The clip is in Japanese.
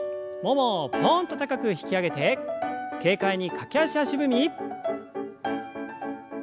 ももをぽんと高く引き上げて軽快に駆け足足踏み。